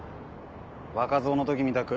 若造の時みたく